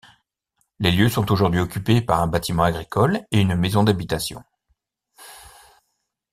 Les lieux sont aujourd'hui occupés par un bâtiment agricole et une maison d'habitation.